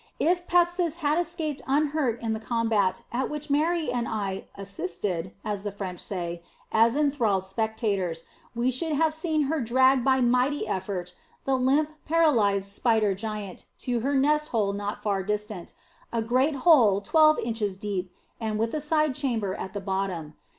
If Pepsis had escaped unhurt in the combat at which Mary and I "assisted," as the French say, as enthralled spectators, we should have seen her drag by mighty effort the limp, paralyzed, spider giant to her nest hole not far distant a great hole twelve inches deep and with a side chamber at the bottom.